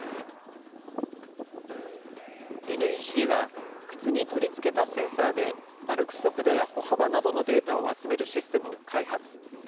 ＮＥＣは、靴に取り付けたセンサーで、歩く速度や歩幅などのデータを集めるシステムを開発。